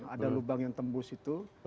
ada lubang yang tembus itu